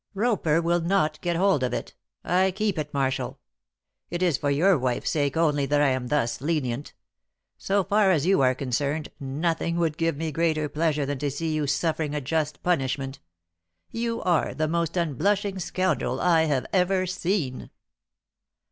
"Roper will not get hold of it. I keep it, Marshall. It is for your wife's sake only that I am thus lenient. So far as you are concerned nothing would give me greater pleasure than to see you suffering a just punishment. You are the most unblushing scoundrel I have ever seen!"